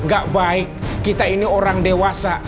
gak baik kita ini orang dewasa